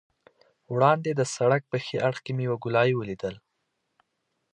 وړاندې د سړک په ښي اړخ کې مې یوه ګولایي ولیدل.